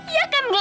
iya kan glenn